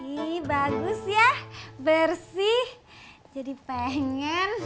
ihh bagus yah bersih jadi pengen